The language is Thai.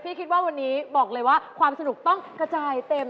คิดว่าวันนี้บอกเลยว่าความสนุกต้องกระจายเต็ม